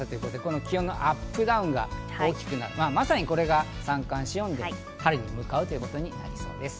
気温のアップダウンが大きくなる、まさにこれが三寒四温、春に向かうということになりそうです。